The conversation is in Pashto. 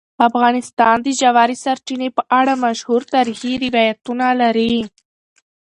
افغانستان د ژورې سرچینې په اړه مشهور تاریخی روایتونه لري.